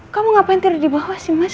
kamu ngapain tidur di bawah sih mas